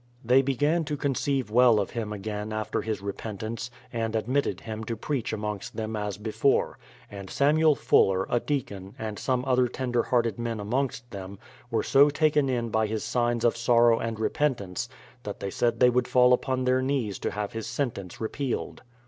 They began to conceive well of him again after his repentance, and admitted him to preach amongst them as before; and Samuel Fuller, a deacon, and some other ten der hearted men amongst them, were so taken in by his THE PLYIMOUTH SETTLEMENT 155 signs of sorrow and repentance, that they said they would fall upon their knees to have his sentence repealed.